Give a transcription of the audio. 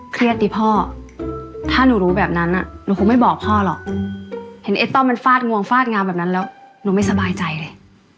ดิพ่อถ้าหนูรู้แบบนั้นหนูคงไม่บอกพ่อหรอกเห็นไอ้ต้อมมันฟาดงวงฟาดงามแบบนั้นแล้วหนูไม่สบายใจเลย